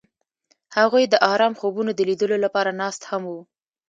هغوی د آرام خوبونو د لیدلو لپاره ناست هم وو.